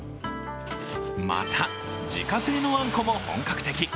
また、自家製のあんこも本格的。